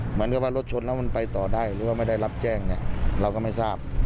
เหมือนกับว่ารถชนแล้วมันไปต่อได้หรือว่าไม่ได้รับแจ้งเนี่ยเราก็ไม่ทราบ